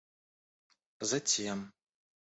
затем